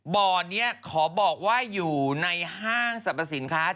บ่อนี้ขอบอกว่าอยู่ในห้างสรรพสินค้า